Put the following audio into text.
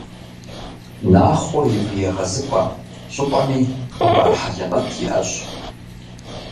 «Нахъуэ и вы егъэзыпӏэ» щӏыпӏэми хъыбар хьэлэмэт иӏэщ.